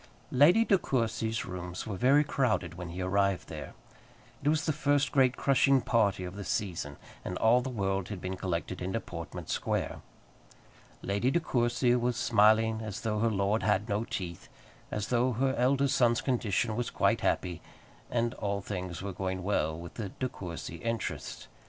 Lady De Courcy's rooms were very crowded when he arrived there. It was the first great crushing party of the season, and all the world had been collected into Portman Square. Lady De Courcy was smiling as though her lord had no teeth, as though her eldest son's condition was quite happy, and all things were going well with the De Courcy interests.